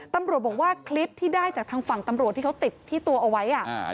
ตำรวจบอกว่าคลิปที่ได้จากทางฝั่งตำรวจที่เขาติดที่ตัวเอาไว้อ่ะอ่า